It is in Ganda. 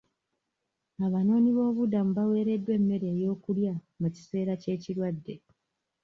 Abanoonyi b'obubudamu baweereddwa emmere ey'okulya mu kiseera eky'ekirwadde.